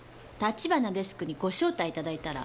橘デスクにご招待いただいたら？